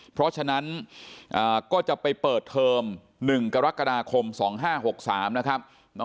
เพราะฉะนั้นก็จะไปเปิดเทอม๑กรกฎาคม๒๕๖๓นะครับ